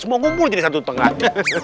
semua ngumpul jadi satu tengah